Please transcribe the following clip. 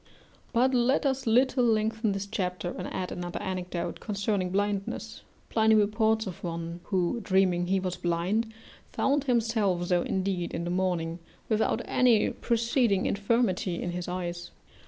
But let us a little lengthen this chapter, and add another anecdote concerning blindness. Pliny reports of one who, dreaming he was blind, found himself so indeed in the morning without any preceding infirmity in his eyes.